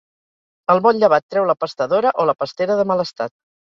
El bon llevat treu la pastadora o la pastera de mal estat.